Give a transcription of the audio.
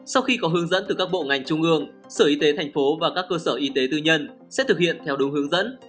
sau khi có hướng dẫn từ các bộ ngành trung ương sở y tế thành phố và các cơ sở y tế tư nhân sẽ thực hiện theo đúng hướng dẫn